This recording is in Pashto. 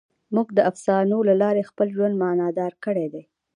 موږ د افسانو له لارې خپل ژوند معنیدار کړی دی.